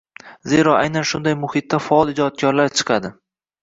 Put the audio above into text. Zero aynan shunday muhitda faol, ijodkorlar chiqadi.